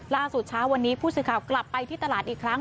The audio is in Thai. เช้าวันนี้ผู้สื่อข่าวกลับไปที่ตลาดอีกครั้ง